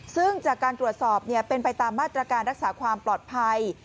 ซึ่งจากการตรวจสอบเป็นไปตามมาตรการรักษาความปลอดภัย